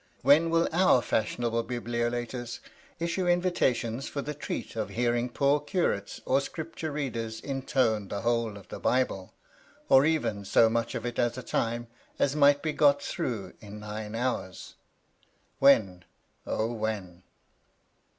When will our fashionable Bibliolaters issue invitations for the treat of hearing poor curates or scripture readers intone the whole of the Bible, or even so much of it at a time as might be got through in nine hours? When, oh when?